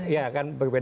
iya kan berbeda